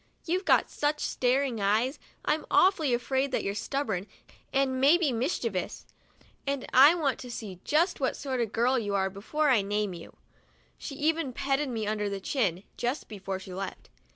You've got such staring eyes, I'm awfully afraid you're stubborn and maybe mischievous, and I want to see just what sort of a girl you are before I name you." She even petted me under the chin, just before she left.